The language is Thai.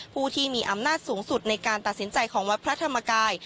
ผู้ที่มีอำนาจสูงสุดในการตัดสินใจของวัดพระธรรมกาย